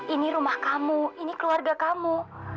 ini rumah kamu ini keluarga kamu